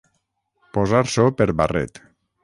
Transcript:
Posar-s'ho per barret.